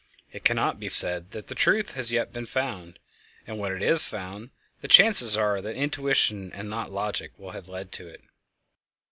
It cannot be said that that truth has yet been found, and when it is found the chances are that intuition and not logic will have led to it.